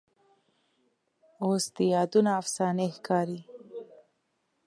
اوس دې یادونه افسانې ښکاري